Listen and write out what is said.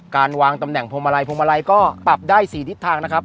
การวางตำแหน่งพวงมาลัยพวงมาลัยก็ปรับได้๔ทิศทางนะครับ